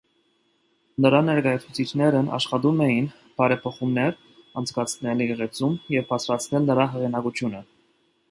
Նրա ներկայացուցիչներն աշխատում էին բարեփոխումներ անցկացնել եկեղեցում և բարձրացնել նրա հեղինակությունը։